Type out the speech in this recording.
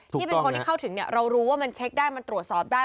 ที่เป็นคนที่เข้าถึงเรารู้ว่ามันเช็คได้มันตรวจสอบได้